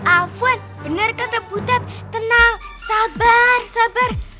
afwan benar kata butet tenang sabar sabar